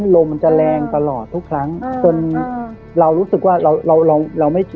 ลมมันจะแรงตลอดทุกครั้งจนเรารู้สึกว่าเราเราไม่